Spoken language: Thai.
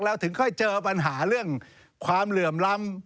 ถึงค่อยเจอปัญหาเรื่องความเหลื่อมล้ำ